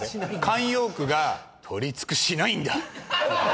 慣用句が取り付くしないんだ！